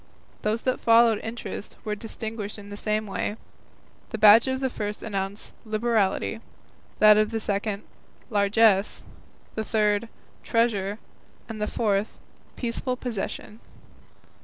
Those that followed Interest were distinguished in the same way; the badge of the first announced "Liberality," that of the second "Largess," the third "Treasure," and the fourth "Peaceful Possession."